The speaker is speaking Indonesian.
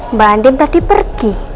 mbak andin tadi pergi